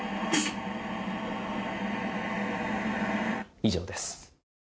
以上です。